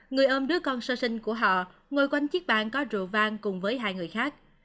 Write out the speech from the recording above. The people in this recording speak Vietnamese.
người ôm đứa con sơ sinh của họ ngồi quanh chiếc bàn có rượu vang cùng với hai người khác